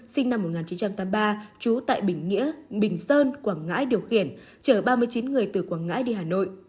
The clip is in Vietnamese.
sinh năm một nghìn chín trăm tám mươi ba trú tại bình nghĩa bình sơn quảng ngãi điều khiển chở ba mươi chín người từ quảng ngãi đi hà nội